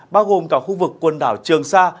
bao gồm cả khu vực quần đảo trường sa